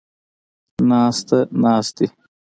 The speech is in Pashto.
ناسته ، ناستې